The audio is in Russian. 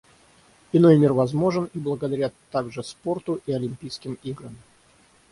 Иной мир возможен, и благодаря также спорту и Олимпийским играм.